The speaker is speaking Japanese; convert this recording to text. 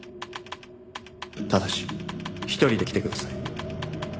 「ただし一人で来てください」